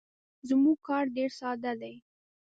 زموږ کار ډیر ساده دی.